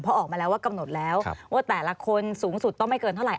เพราะออกมาแล้วว่ากำหนดแล้วว่าแต่ละคนสูงสุดต้องไม่เกินเท่าไห